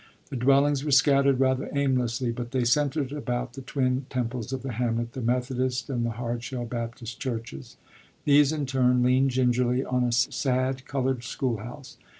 The dwellings were scattered rather aimlessly, but they centered about the twin temples of the hamlet, the Methodist and the Hard Shell Baptist churches. These, in turn, leaned gingerly on a sad colored schoolhouse.